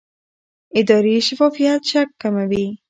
اداري شفافیت شک کموي